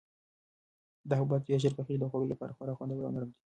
دا حبوبات ډېر ژر پخیږي او د خوړلو لپاره خورا خوندور او نرم دي.